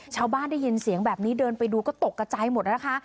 ชาวบ้านได้ยินเสียงแบบนี้เดินไปดูก็ตกกระจายหมดนะคะ